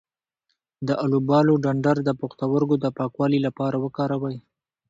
د الوبالو ډنډر د پښتورګو د پاکوالي لپاره وکاروئ